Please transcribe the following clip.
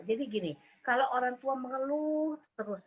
jadi gini kalau orang tua mengeluh terus